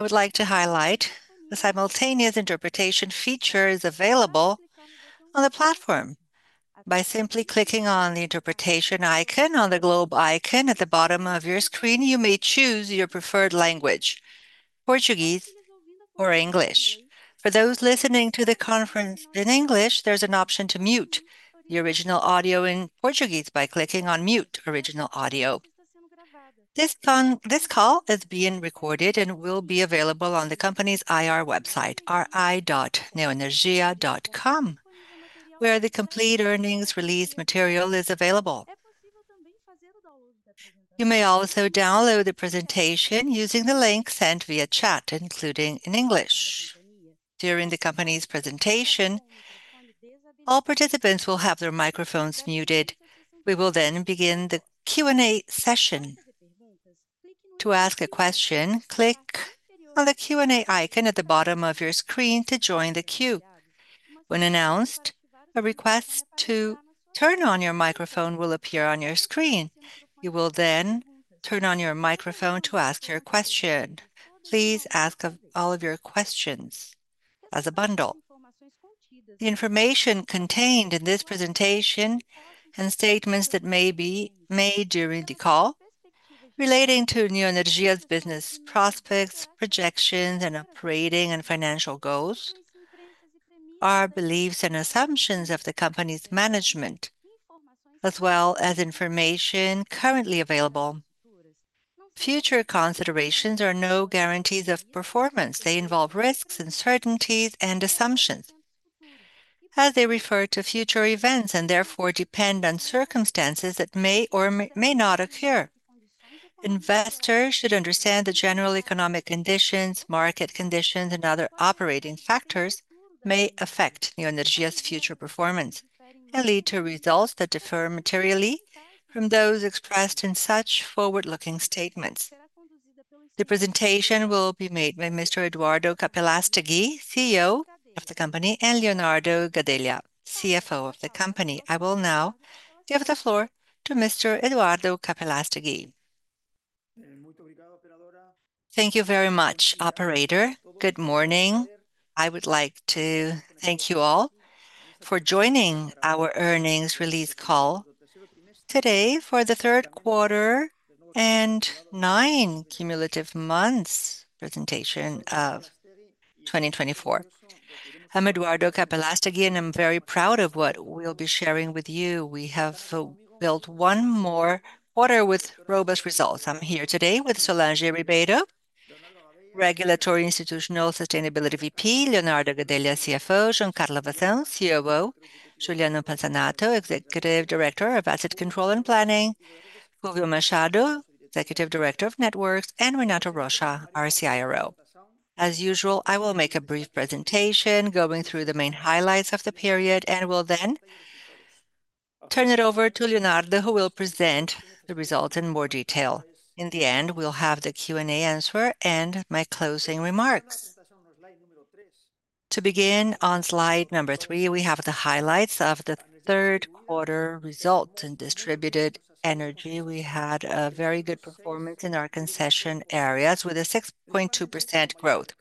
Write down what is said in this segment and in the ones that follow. I would like to highlight the simultaneous interpretation feature is available on the platform. By simply clicking on the interpretation icon on the globe icon at the bottom of your screen, you may choose your preferred language, Portuguese or English. For those listening to the conference in English, there's an option to mute the original audio in Portuguese by clicking on Mute Original Audio. This call is being recorded and will be available on the company's IR website, ri.neoenergia.com, where the complete earnings release material is available. You may also download the presentation using the link sent via chat, including in English. During the company's presentation, all participants will have their microphones muted. We will then begin the Q&A session. To ask a question, click on the Q&A icon at the bottom of your screen to join the queue. When announced, a request to turn on your microphone will appear on your screen. You will then turn on your microphone to ask your question. Please ask of all of your questions as a bundle. The information contained in this presentation and statements that may be made during the call relating to Neoenergia's business prospects, projections, and operating and financial goals are beliefs and assumptions of the company's management, as well as information currently available. Future considerations are no guarantees of performance. They involve risks, uncertainties, and assumptions, as they refer to future events and therefore depend on circumstances that may or may not occur. Investors should understand the general economic conditions, market conditions, and other operating factors may affect Neoenergia's future performance and lead to results that differ materially from those expressed in such forward-looking statements. The presentation will be made by Mr. Eduardo Capelastegui, CEO of the company, and Leonardo Gadelha, CFO of the company. I will now give the floor to Mr. Eduardo Capelastegui. Thank you very much, operator. Good morning. I would like to thank you all for joining our earnings release call today for the third quarter and nine cumulative months presentation of twenty twenty-four. I'm Eduardo Capelastegui, and I'm very proud of what we'll be sharing with you. We have built one more quarter with robust results. I'm here today with Solange Ribeiro, Regulatory Institutional Sustainability VP, Leonardo Gadelha, CFO, Giancarlo Vassão, COO, Juliano Pansanato, Executive Director of Asset Control and Planning, Júlio Machado, Executive Director of Networks, and Renato Rocha, our CIRO. As usual, I will make a brief presentation going through the main highlights of the period, and will then turn it over to Leonardo, who will present the results in more detail. In the end, we'll have the Q&A answer and my closing remarks. To begin on slide number three, we have the highlights of the third quarter results. In distributed energy, we had a very good performance in our concession areas, with a 6.2% growth,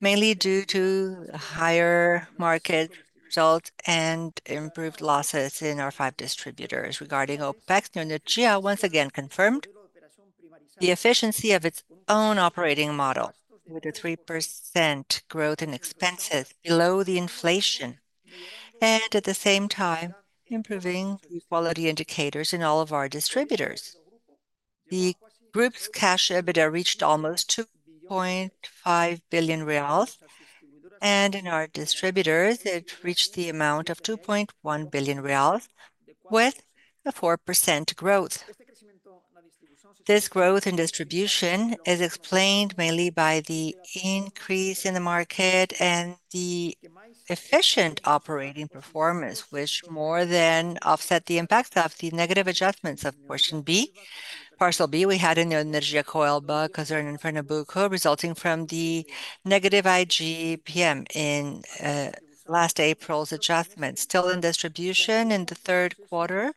mainly due to higher market results and improved losses in our five distributors. Regarding Opex, Neoenergia once again confirmed the efficiency of its own operating model, with a 3% growth in expenses below the inflation, and at the same time improving the quality indicators in all of our distributors. The group's cash EBITDA reached almost 2.5 billion reais, and in our distributors, it reached the amount of 2.1 billion reais with a 4% growth. This growth in distribution is explained mainly by the increase in the market and the efficient operating performance, which more than offset the impact of the negative adjustments of Parcela B. Parcela B, we had in Neoenergia Coelba, because they're in Pernambuco, resulting from the negative IGP-M in last April's adjustment. Still in distribution in the third quarter,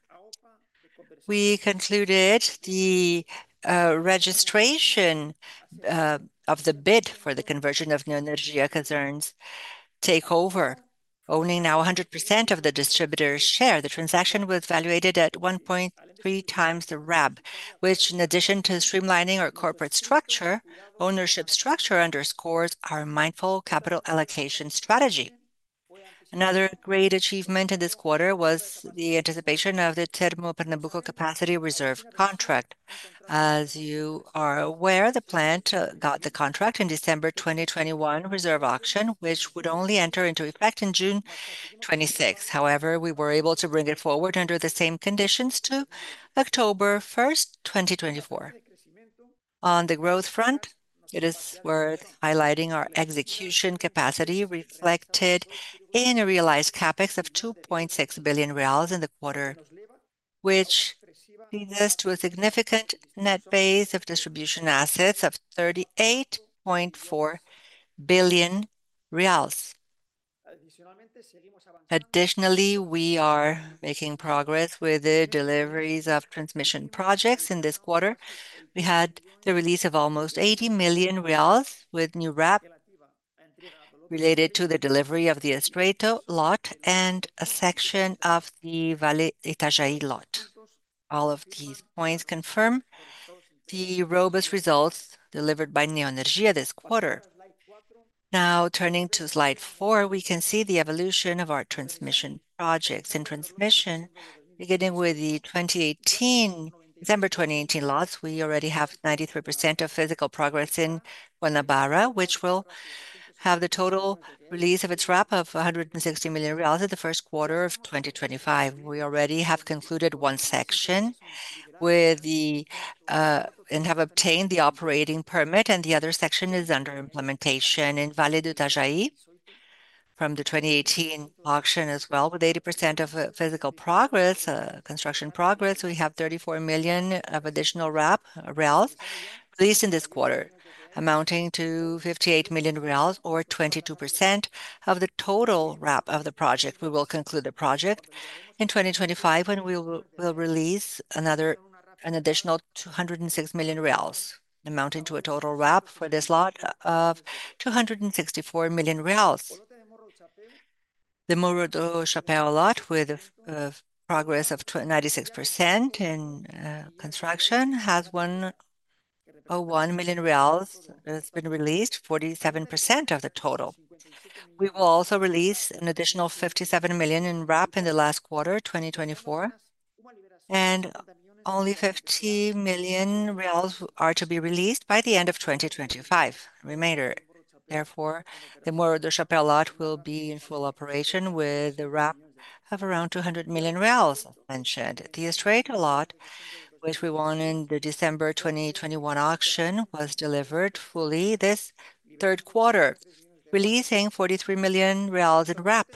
we concluded the registration of the bid for the conversion of Neoenergia Cosern takeover, owning now 100% of the distributor's share. The transaction was evaluated at 1.3 times the RAB, which, in addition to streamlining our corporate structure, ownership structure underscores our mindful capital allocation strategy. Another great achievement in this quarter was the anticipation of the Termopernambuco Capacity Reserve contract. As you are aware, the plant got the contract in December 2021 reserve auction, which would only enter into effect in June 26th. However, we were able to bring it forward under the same conditions to October 1, 2024. On the growth front, it is worth highlighting our execution capacity, reflected in a realized CapEx of 2.6 billion reais in the quarter, which leads us to a significant net base of distribution assets of 38.4 billion reais. Additionally, we are making progress with the deliveries of transmission projects. In this quarter, we had the release of almost 80 million reais with new RAP related to the delivery of the Estreito lot and a section of the Vale do Itajaí lot. All of these points confirm the robust results delivered by Neoenergia this quarter. Now, turning to slide four, we can see the evolution of our transmission projects. In transmission, beginning with the 2018 December 2018 lots, we already have 93% of physical progress in Guanabara, which will have the total release of its RAP of 160 million reais in the first quarter of 2025. We already have concluded one section with the, and have obtained the operating permit, and the other section is under implementation in Vale do Itajaí from the 2018 auction as well. With 80% of physical progress, construction progress, we have 34 million of additional RAP released in this quarter, amounting to 58 million, or 22% of the total RAP of the project. We will conclude the project in twenty twenty-five, when we will, we'll release an additional 260 million reais, amounting to a total RAP for this lot of 264 million reais. The Morro do Chapéu lot, with progress of 96% in construction, has 1 million reais that's been released, 47% of the total. We will also release an additional 57 million in RAP in the last quarter, twenty twenty-four, and only 50 million reais are to be released by the end of twenty twenty-five, remainder. Therefore, the Morro do Chapéu lot will be in full operation with the RAP of around 200 million, as mentioned. The Estreito lot, which we won in the December twenty twenty-one auction, was delivered fully this third quarter, releasing 43 million reais in RAP.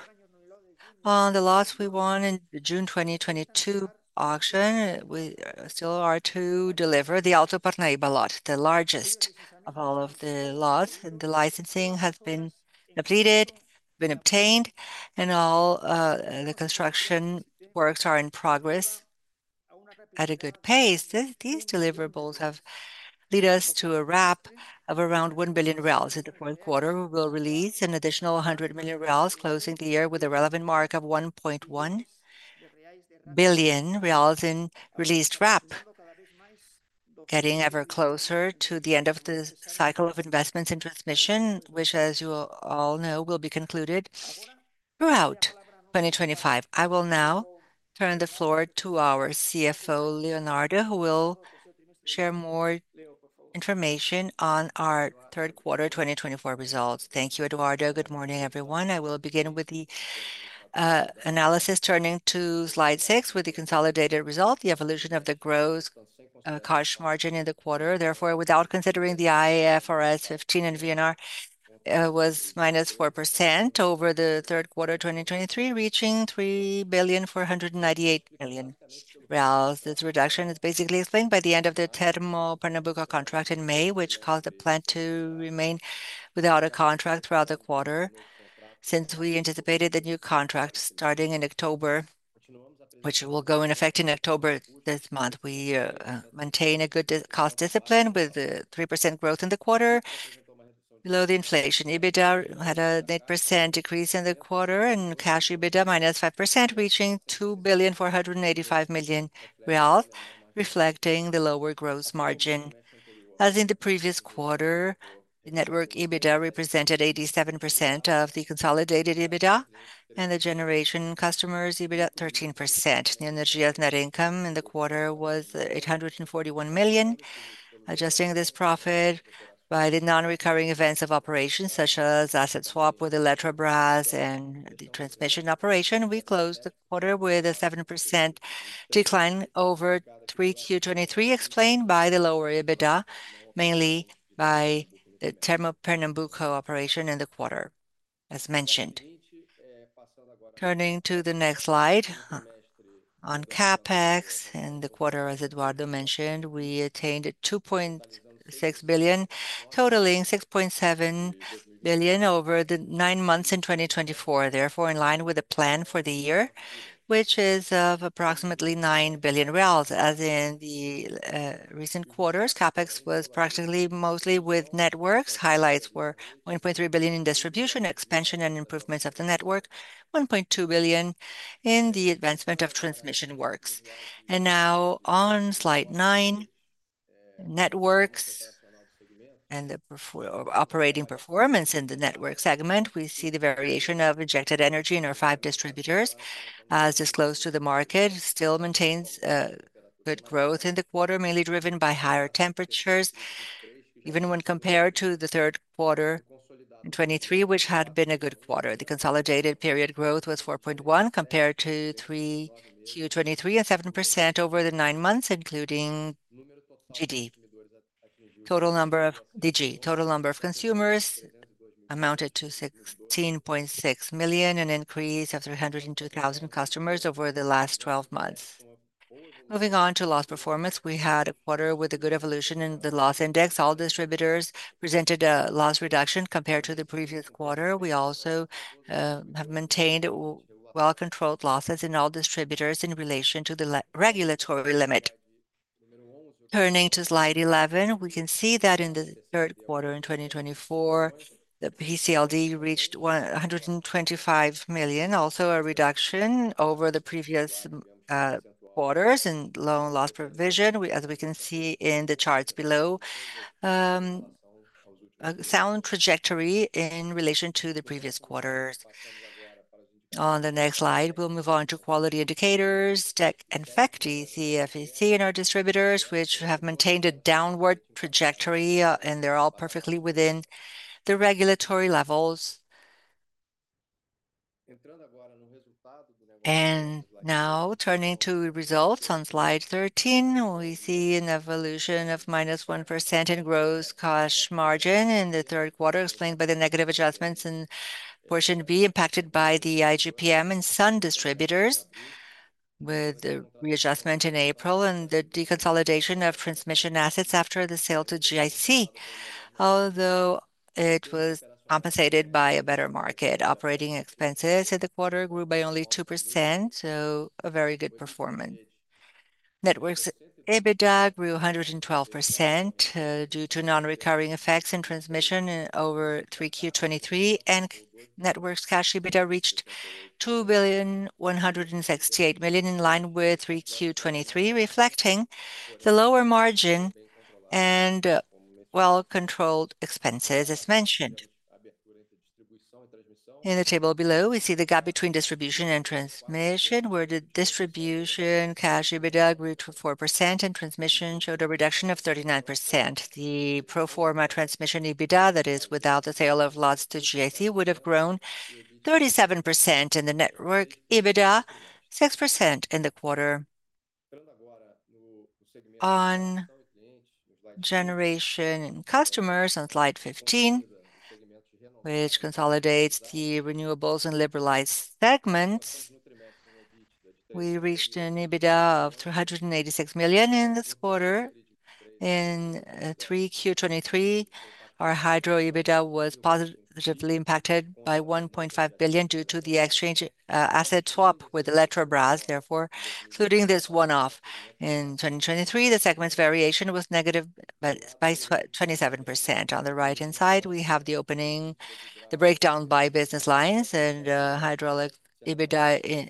The lots we won in the June 2022 auction, we still are to deliver the Alto Parnaíba lot, the largest of all of the lots, and the licensing has been completed and obtained, and all the construction works are in progress at a good pace. These deliverables have led us to a RAP of around 1 billion. In the current quarter, we will release an additional 100 million, closing the year with a relevant mark of 1.1 billion in released RAP, getting ever closer to the end of this cycle of investments in transmission, which, as you all know, will be concluded throughout 2025. I will now turn the floor to our CFO, Leonardo, who will share more information on our third quarter 2024 results. Thank you, Eduardo. Good morning, everyone. I will begin with the analysis, turning to slide six with the consolidated result, the evolution of the gross cash margin in the quarter. Therefore, without considering the IFRS 15 and VNR, was minus 4% over the third quarter 2023, reaching 3 billion reais, four hundred and ninety-eight million. This reduction is basically explained by the end of the Termopernambuco contract in May, which caused the plant to remain without a contract throughout the quarter. Since we anticipated the new contract starting in October, which will go in effect in October this month, we maintain a good cost discipline, with a 3% growth in the quarter below the inflation. EBITDA had an 8% decrease in the quarter, and cash EBITDA, minus 5%, reaching 2 billion real, four hundred and eighty-five million, reflecting the lower gross margin. As in the previous quarter, network EBITDA represented 87% of the consolidated EBITDA, and the generation customers EBITDA, 13%. The net income in the quarter was 841 million. Adjusting this profit by the non-recurring events of operations, such as asset swap with Eletrobras and the transmission operation, we closed the quarter with a 7% decline over 3Q 2023, explained by the lower EBITDA, mainly by the Termopernambuco operation in the quarter, as mentioned. Turning to the next slide, on CapEx, in the quarter, as Eduardo mentioned, we attained 2.6 billion, totaling 6.7 billion over the nine months in 2024, therefore, in line with the plan for the year, which is of approximately 9 billion reais. As in the recent quarters, CapEx was practically mostly with networks. Highlights were 1.3 billion in distribution, expansion, and improvements of the network, 1.2 billion in the advancement of transmission works. Now on Slide 9, networks and the operating performance in the network segment, we see the variation of injected energy in our five distributors, as disclosed to the market, still maintains good growth in the quarter, mainly driven by higher temperatures, even when compared to the third quarter in 2023, which had been a good quarter. The consolidated period growth was 4.1%, compared to 3Q 2023, and 7% over the nine months, including GD. Total number of DG consumers amounted to 16.6 million, an increase of 302 thousand customers over the last 12 months. Moving on to loss performance, we had a quarter with a good evolution in the loss index. All distributors presented a loss reduction compared to the previous quarter. We also have maintained well-controlled losses in all distributors in relation to the regulatory limit. Turning to Slide 11, we can see that in the third quarter in 2024, the PCLD reached 125 million. Also, a reduction over the previous quarters in loan loss provision. As we can see in the charts below, a sound trajectory in relation to the previous quarters. On the next slide, we'll move on to quality indicators, DEC and FEC in our distributors, which have maintained a downward trajectory, and they're all perfectly within the regulatory levels. Now, turning to results on Slide 13, we see an evolution of minus 1% in gross cash margin in the third quarter, explained by the negative adjustments in portion B, impacted by the IGP-M and some distributors, with the readjustment in April and the deconsolidation of transmission assets after the sale to GIC, although it was compensated by a better market. Operating expenses in the quarter grew by only 2%, so a very good performance. Networks EBITDA grew 112%, due to non-recurring effects in transmission in 3Q 2023, and networks cash EBITDA reached 2,168 million, in line with 3Q 2023, reflecting the lower margin and well-controlled expenses, as mentioned. In the table below, we see the gap between distribution and transmission, where the distribution cash EBITDA grew 4%, and transmission showed a reduction of 39%. The pro forma transmission EBITDA, that is, without the sale of lots to GIC, would have grown 37% in the network, EBITDA 6% in the quarter. On generation and customers, on Slide 15, which consolidates the renewables and liberalized segments, we reached an EBITDA of 386 million in this quarter. In 3Q 2023, our hydro EBITDA was positively impacted by 1.5 billion, due to the exchange asset swap with Eletrobras, therefore, excluding this one-off. In 2023, the segment's variation was negative by 27%. On the right-hand side, we have the opening, the breakdown by business lines, and hydraulic EBITDA in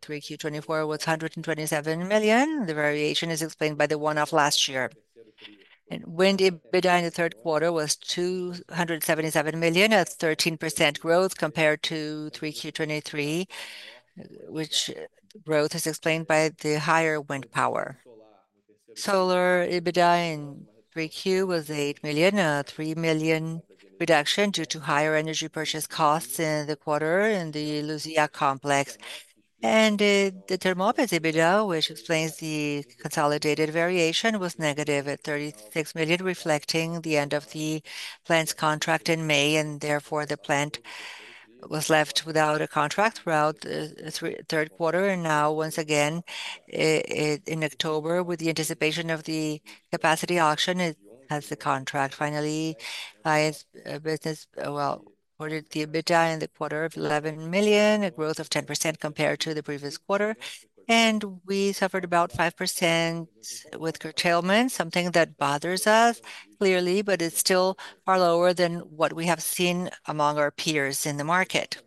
3Q 2024 was 127 million. The variation is explained by the one-off last year. Wind EBITDA in the third quarter was 277 million, at 13% growth compared to 3Q 2023, which growth is explained by the higher wind power. Solar EBITDA in 3Q was 8 million, 3 million reduction due to higher energy purchase costs in the quarter in the Luzia complex. The Termope's EBITDA, which explains the consolidated variation, was negative 36 million, reflecting the end of the plant's contract in May, and therefore, the plant was left without a contract throughout the third quarter. Now, once again, in October, with the anticipation of the capacity auction, it has the contract finally. Business, well, ordered the EBITDA in the quarter of 11 million, a growth of 10% compared to the previous quarter, and we suffered about 5% with curtailment, something that bothers us, clearly, but it's still far lower than what we have seen among our peers in the market.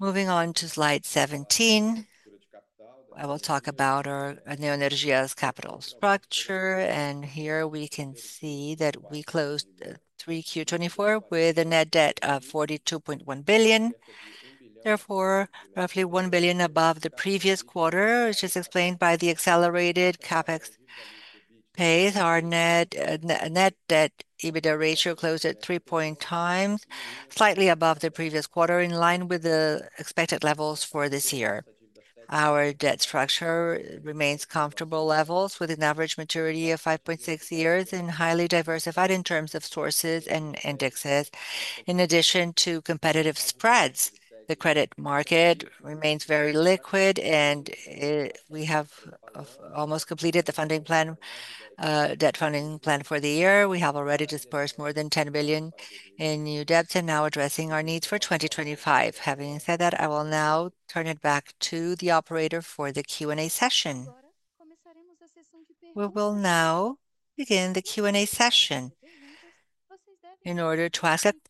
Moving on to Slide 17, I will talk about our Neoenergia's capital structure, and here we can see that we closed 3Q 2024 with a net debt of 42.1 billion, therefore, roughly 1 billion above the previous quarter, which is explained by the accelerated CapEx pace. Our net debt EBITDA ratio closed at 3.0x, slightly above the previous quarter, in line with the expected levels for this year. Our debt structure remains comfortable levels, with an average maturity of 5.6 years, and highly diversified in terms of sources and indexes, in addition to competitive spreads. The credit market remains very liquid, and we have almost completed the funding plan, debt funding plan for the year. We have already disbursed more than 10 billion in new debts and now addressing our needs for 2025. Having said that, I will now turn it back to the operator for the Q&A session. We will now begin the Q&A session. In order to ask a question,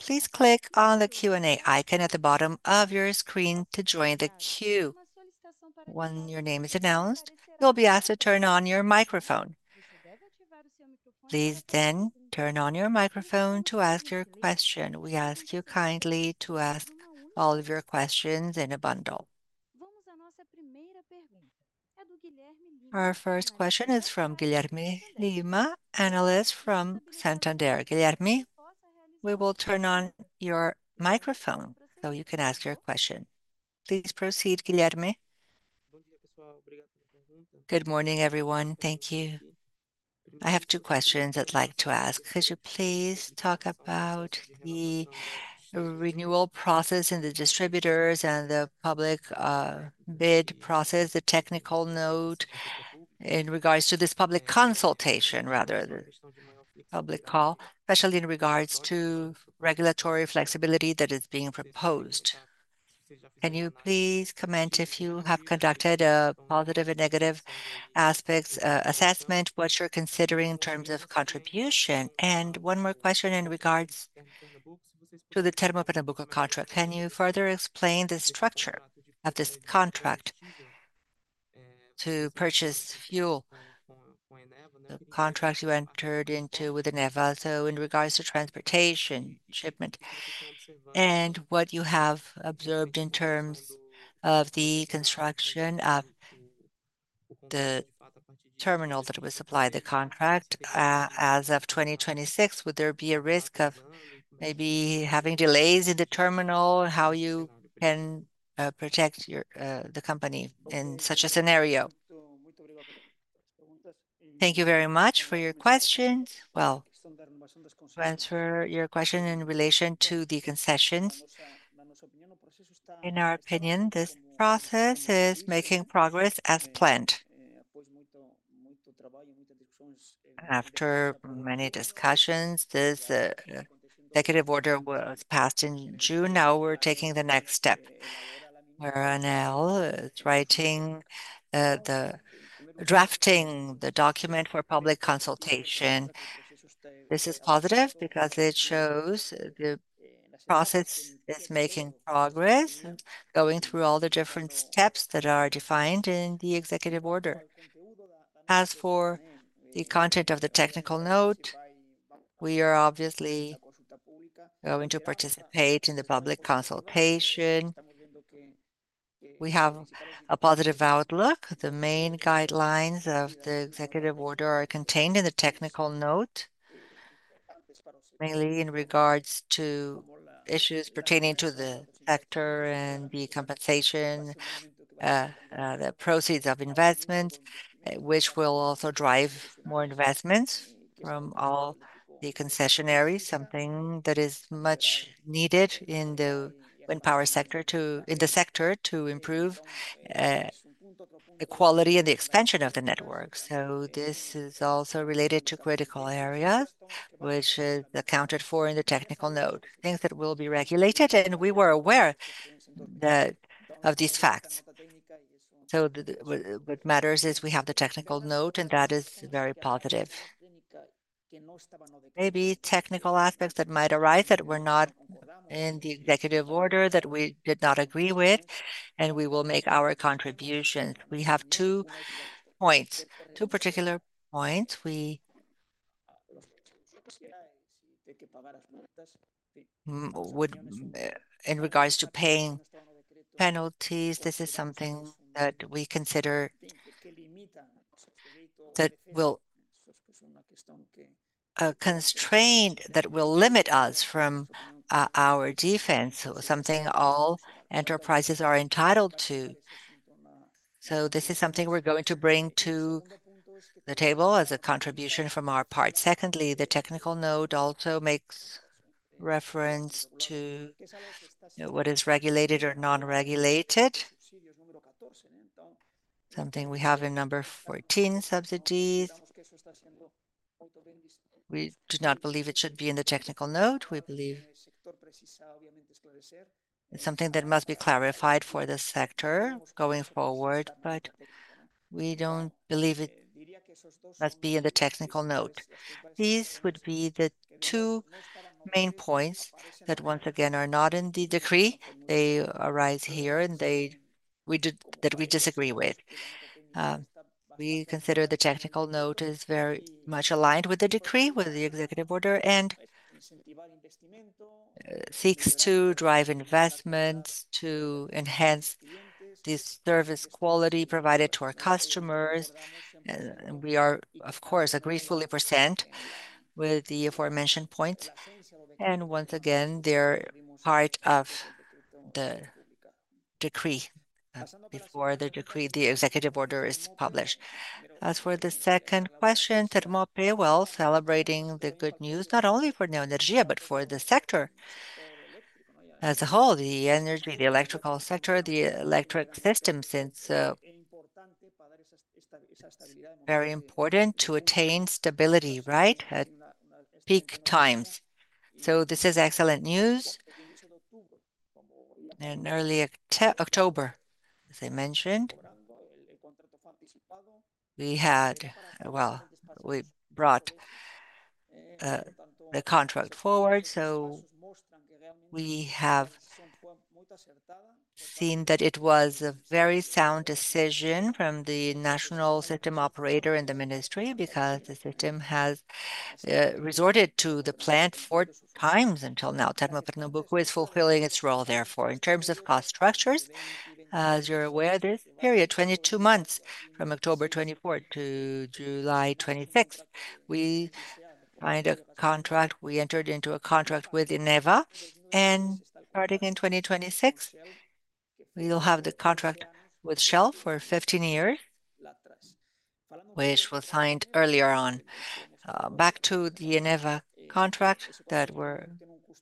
please click on the Q&A icon at the bottom of your screen to join the queue. When your name is announced, you'll be asked to turn on your microphone. Please then turn on your microphone to ask your question. We ask you kindly to ask all of your questions in a bundle. Our first question is from Guilherme Lima, analyst from Santander. Guilherme, we will turn on your microphone so you can ask your question. Please proceed, Guilherme. Good morning, everyone. Thank you.... I have two questions I'd like to ask. Could you please talk about the renewal process and the distributors, and the public, bid process, the technical note in regards to this public consultation rather than public call, especially in regards to regulatory flexibility that is being proposed? Can you please comment if you have conducted a positive and negative aspects, assessment, what you're considering in terms of contribution? And one more question in regards to the Termopernambuco contract. Can you further explain the structure of this contract to purchase fuel, the contract you entered into with Eneva, so in regards to transportation, shipment, and what you have observed in terms of the construction of the terminal that will supply the contract, as of 2026, would there be a risk of maybe having delays in the terminal? How you can protect your the company in such a scenario? Thank you very much for your questions. Well, to answer your question in relation to the concessions, in our opinion, this process is making progress as planned. After many discussions, this executive order was passed in June. Now we're taking the next step, where ANEEL is drafting the document for public consultation. This is positive because it shows the process is making progress, going through all the different steps that are defined in the executive order. As for the content of the Technical Note, we are obviously going to participate in the public consultation. We have a positive outlook. The main guidelines of the executive order are contained in the Technical Note, mainly in regards to issues pertaining to the sector and the compensation, the proceeds of investment, which will also drive more investments from all the concessionaires, something that is much needed in the wind power sector to improve the quality and the expansion of the network. So this is also related to critical areas, which is accounted for in the Technical Note, things that will be regulated, and we were aware of these facts. So what matters is we have the Technical Note, and that is very positive. Maybe technical aspects that might arise that were not in the executive order, that we did not agree with, and we will make our contributions. We have two points, two particular points we would in regards to paying penalties. This is something that we consider that will constrain, that will limit us from our defense, so something all enterprises are entitled to. So this is something we're going to bring to the table as a contribution from our part. Secondly, the Technical Note also makes reference to, you know, what is regulated or non-regulated. Something we have in number 14, subsidies. We do not believe it should be in the Technical Note. We believe it's something that must be clarified for the sector going forward, but we don't believe it must be in the Technical Note. These would be the two main points that, once again, are not in the decree. They arise here, and they that we disagree with. We consider the Technical Note is very much aligned with the decree, with the executive order, and seeks to drive investments to enhance the service quality provided to our customers, and we are, of course, agree 100% with the aforementioned points. Once again, they're part of the decree. Before the decree, the executive order is published. As for the second question, Termopernambuco celebrating the good news, not only for Neoenergia, but for the sector as a whole, the energy, the electrical sector, the electric system, since it's very important to attain stability, right, at peak times, so this is excellent news. In early October, as I mentioned, we brought the contract forward, so we have seen that it was a very sound decision from the national system operator and the ministry, because the system has resorted to the plant four times until now. Termopernambuco is fulfilling its role therefore. In terms of cost structures, as you're aware, this period, 22 months, from October twenty-fourth to July twenty-sixth, we signed a contract. We entered into a contract with Eneva, and starting in 2026,... We will have the contract with Shell for fifteen years, which was signed earlier on. Back to the Eneva contract that we're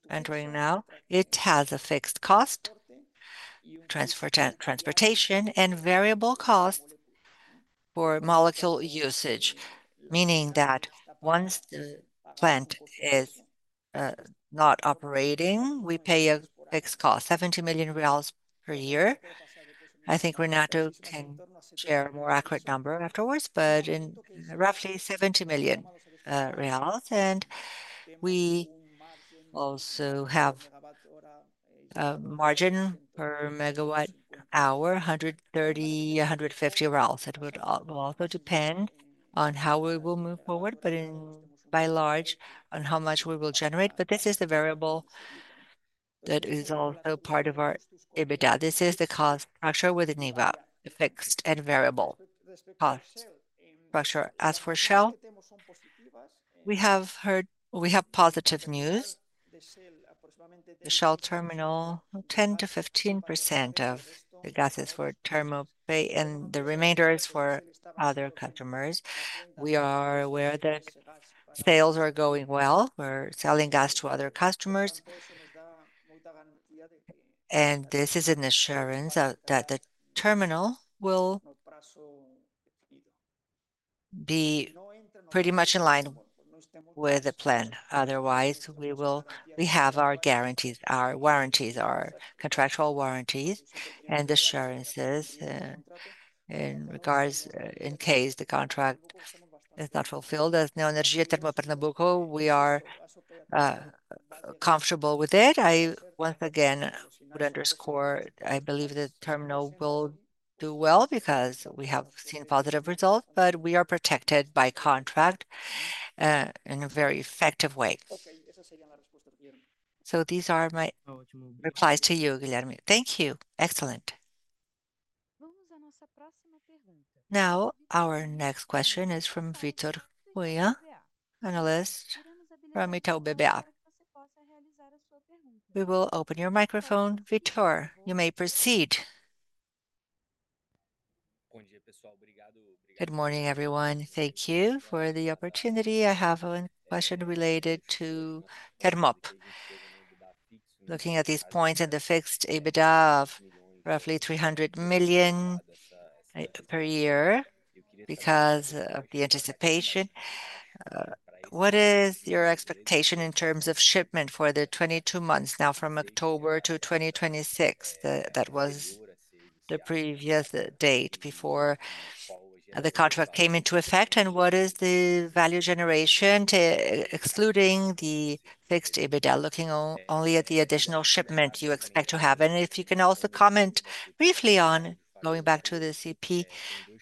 entering now, it has a fixed cost, transportation, and variable cost for molecule usage, meaning that once the plant is not operating, we pay a fixed cost, 70 million reais per year. I think Renato can share a more accurate number afterwards, but roughly 70 million reais. And we also have a margin per megawatt hour, 130-150 BRL. It will also depend on how we will move forward, but by and large, on how much we will generate. But this is the variable that is also part of our EBITDA. This is the cost structure with Eneva, a fixed and variable cost structure. As for Shell, we have heard. We have positive news. The Shell terminal, 10% to 15% of the gas is for Termope, and the remainder is for other customers. We are aware that sales are going well. We're selling gas to other customers. And this is an assurance that the terminal will be pretty much in line with the plan. Otherwise, we have our guarantees, our warranties, our contractual warranties and assurances in regards in case the contract is not fulfilled. As Neoenergia Termopernambuco, we are comfortable with it. I once again would underscore, I believe the terminal will do well because we have seen positive results, but we are protected by contract in a very effective way. So these are my replies to you, Guilherme. Thank you. Excellent. Now, our next question is from Victor Huya, analyst from Metal BBF. We will open your microphone, Victor. You may proceed. Good morning, everyone. Thank you for the opportunity. I have one question related to Termope. Looking at these points and the fixed EBITDA of roughly 300 million per year because of the anticipation, what is your expectation in terms of shipment for the 22 months now from October to 2026? That was the previous date before the contract came into effect. And what is the value generation to... excluding the fixed EBITDA, looking only at the additional shipment you expect to have? And if you can also comment briefly on going back to the CP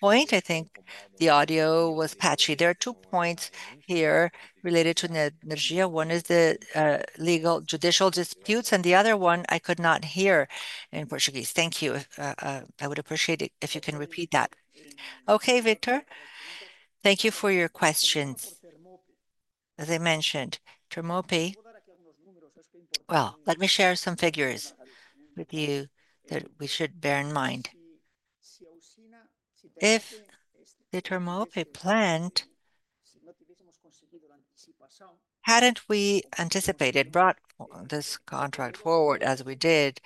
point, I think the audio was patchy. There are two points here related to the Neoenergia. One is the legal judicial disputes, and the other one I could not hear in Portuguese. Thank you. I would appreciate it if you can repeat that. Okay, Victor. Thank you for your questions. As I mentioned, Termope. Well, let me share some figures with you that we should bear in mind. If the Termope plant, hadn't we anticipated, brought this contract forward as we did,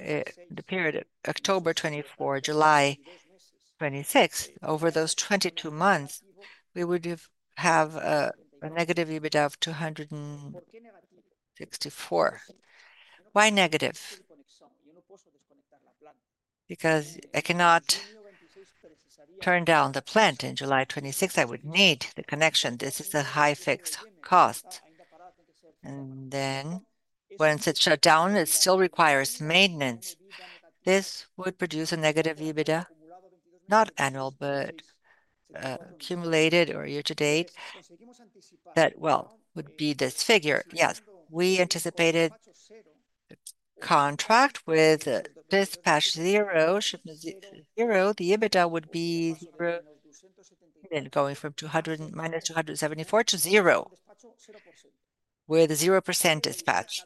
the period October 2024, July 2026, over those 22 months, we would have a negative EBITDA of 264. Why negative? Because I cannot turn down the plant in July 2026, I would need the connection. This is a high fixed cost. Then once it's shut down, it still requires maintenance. This would produce a negative EBITDA, not annual, but accumulated or year to date. That, well, would be this figure. Yes, we anticipated its contract with dispatch zero, shipment zero, the EBITDA would be zero, then going from 200, minus 200 and seventy-four to zero, where the 0% is dispatched.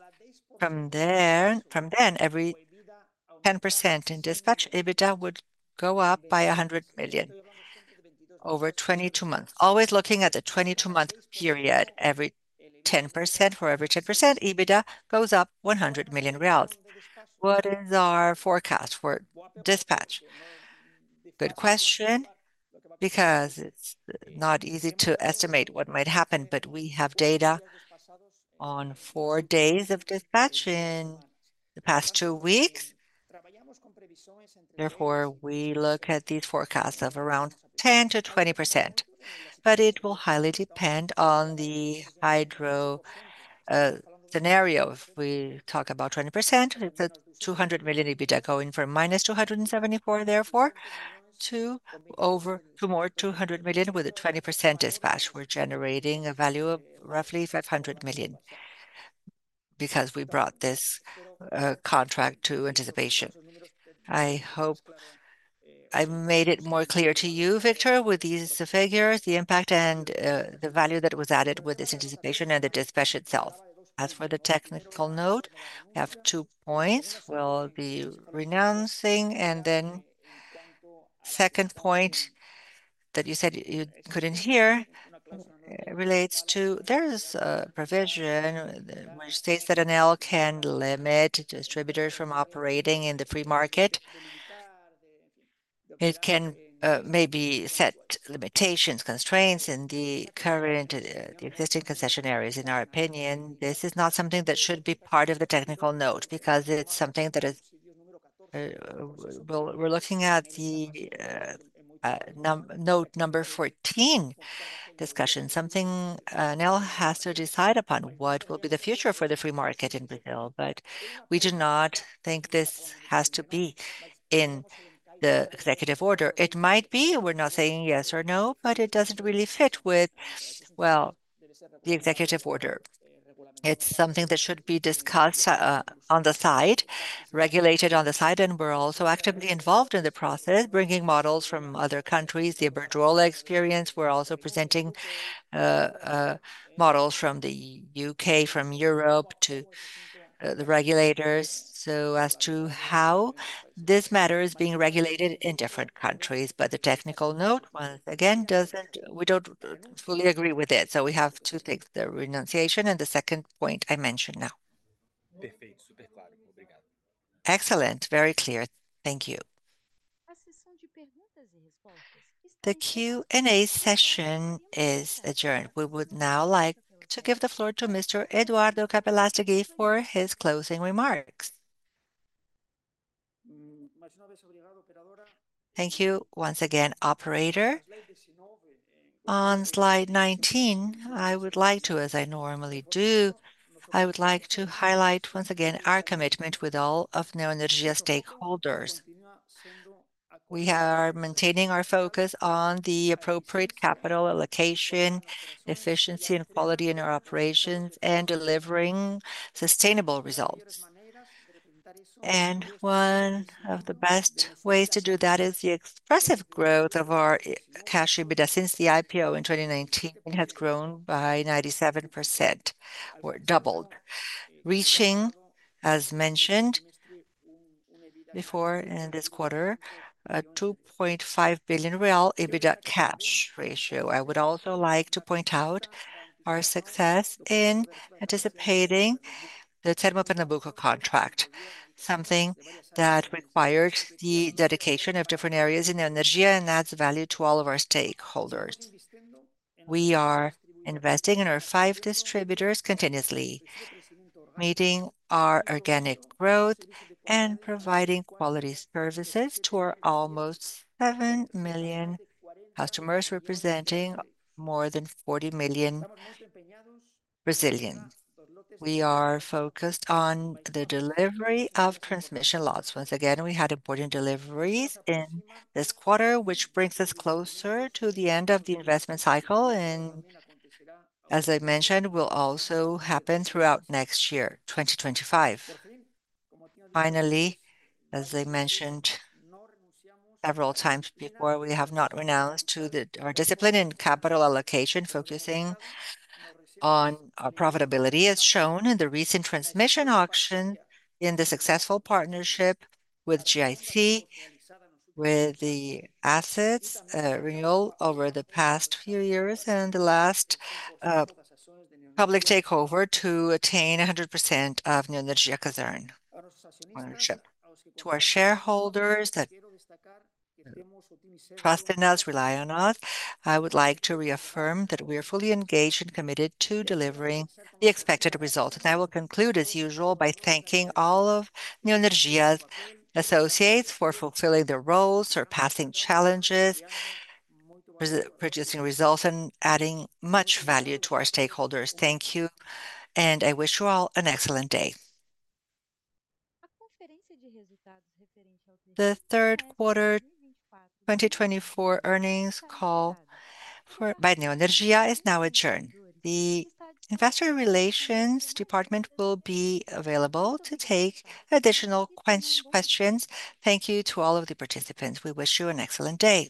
From there, from then, every 10% in dispatch, EBITDA would go up by 100 million BRL over 22 months. Always looking at the 22-month period, every 10%, for every 10%, EBITDA goes up 100 million reais. What is our forecast for dispatch? Good question, because it's not easy to estimate what might happen, but we have data on four days of dispatch in the past two weeks. Therefore, we look at these forecasts of around 10%-20%, but it will highly depend on the hydro scenario. If we talk about 20%, it's a 200 million EBITDA going from minus 274, therefore, to over 200 million. With a 20% dispatch, we're generating a value of roughly 500 million, because we brought this contract to anticipation. I made it more clear to you, Victor, with these figures, the impact and the value that was added with this anticipation and the dispatch itself. As for the technical note, we have two points we'll be renouncing, and then second point that you said you couldn't hear relates to there's a provision which states that ANEEL can limit distributors from operating in the free market. It can maybe set limitations, constraints in the current, the existing concession areas. In our opinion, this is not something that should be part of the Technical Note, because it's something that is, well, we're looking at the number fourteen discussion. ANEEL has to decide upon what will be the future for the Free Market in Brazil, but we do not think this has to be in the executive order. It might be. We're not saying yes or no, but it doesn't really fit with, well, the executive order. It's something that should be discussed on the side, regulated on the side, and we're also actively involved in the process, bringing models from other countries, the virtual experience. We're also presenting models from the U.K., from Europe to the regulators, so as to how this matter is being regulated in different countries. But the technical note, once again, doesn't. We don't fully agree with it. So we have two things: the renunciation and the second point I mentioned now. Excellent, very clear. Thank you. The Q&A session is adjourned. We would now like to give the floor to Mr. Eduardo Capelastegui for his closing remarks. Thank you once again, operator. On slide 19, I would like to, as I normally do, I would like to highlight once again our commitment with all of Neoenergia stakeholders. We are maintaining our focus on the appropriate capital allocation, efficiency and quality in our operations, and delivering sustainable results. And one of the best ways to do that is the expressive growth of our cash EBITDA since the IPO in twenty nineteen, it has grown by 97%, or doubled, reaching, as mentioned before in this quarter, a 2.5 billion real cash EBITDA. I would also like to point out our success in anticipating the Termopernambuco contract, something that required the dedication of different areas in Neoenergia and adds value to all of our stakeholders. We are investing in our five distributors continuously, meeting our organic growth and providing quality services to our almost seven million customers, representing more than forty million Brazilians. We are focused on the delivery of transmission lots. Once again, we had important deliveries in this quarter, which brings us closer to the end of the investment cycle, and as I mentioned, will also happen throughout next year, 2025. Finally, as I mentioned several times before, we have not renounced to our discipline in capital allocation, focusing on our profitability, as shown in the recent transmission auction, in the successful partnership with GIC, with the assets renewal over the past few years, and the last public takeover to attain a hundred percent of Neoenergia Cosern ownership. To our shareholders that trust in us, rely on us, I would like to reaffirm that we are fully engaged and committed to delivering the expected results. I will conclude, as usual, by thanking all of Neoenergia's associates for fulfilling their roles, surpassing challenges, producing results, and adding much value to our stakeholders. Thank you, and I wish you all an excellent day. The third quarter twenty twenty-four earnings call by Neoenergia is now adjourned. The Investor Relations Department will be available to take additional questions. Thank you to all of the participants. We wish you an excellent day.